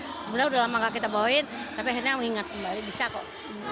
kemudian udah lama gak kita bawain tapi akhirnya mengingat kembali bisa kok